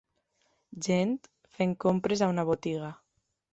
Gent fent compres a una botiga.